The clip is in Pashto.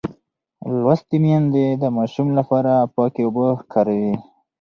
لوستې میندې د ماشوم لپاره پاکې اوبه کاروي.